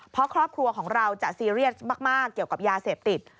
เพราะครอบครัวของเราจะซีเรียสมากเกี่ยวกับยาเสพติด